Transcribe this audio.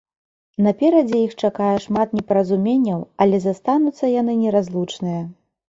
Наперадзе іх чакае шмат непаразуменняў, але застануцца яны неразлучныя.